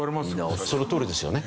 そのとおりですよね。